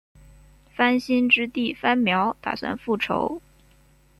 番歆之弟番苗打算复仇。